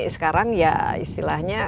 sekarang ya istilahnya